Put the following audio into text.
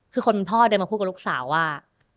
คือคนพ่อเดินมาพูดกับลูกสาวว่า